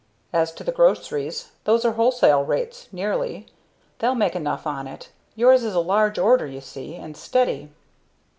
As to the groceries, those are wholesale rates, nearly; they'll make enough on it. Yours is a large order you see, and steady."